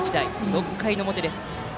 ６回表です。